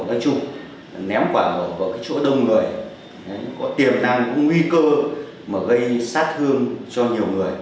nói chung ném quả vào chỗ đông người có tiềm năng cũng nguy cơ mà gây sát thương cho nhiều người